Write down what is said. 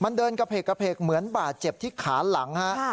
มันเดินกระเพกกระเพกเหมือนบาดเจ็บที่ขาหลังฮะ